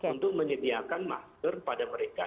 untuk menyediakan masker pada mereka